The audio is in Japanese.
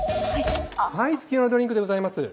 はい月夜野ドリンクでございます。